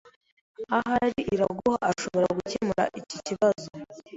Ahari Iraguha ashobora gukemura iki kibazo.